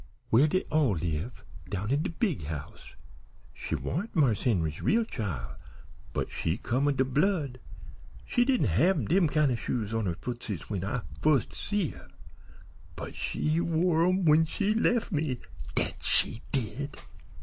"Where dey all live down in de big house. She warn't Marse Henry's real chile, but she come o' de blood. She didn't hab dem kind o' shoes on her footses when I fust see her, but she wore 'em when she lef' me. Dat she did."